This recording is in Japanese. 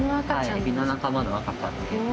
エビの仲間の赤ちゃんで。